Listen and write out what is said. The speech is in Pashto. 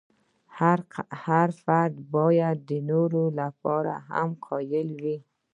هر فرد باید د نورو لپاره هم قایل وي.